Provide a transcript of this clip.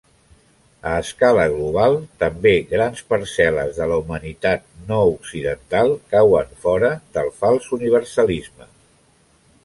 A escala global, també grans parcel·les de la humanitat no-occidental cauen fora del fals universalisme.